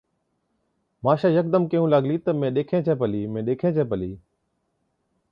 ماشا يڪدم ڪيهُون لاگلِي تہ، مين ڏيکَين ڇَين پلِي، مين ڏيکَين ڇَين پلِي۔